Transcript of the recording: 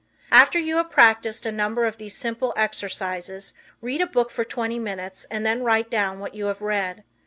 After you have practiced a number of these simple exercises read a book for twenty minutes and then write down what you have read.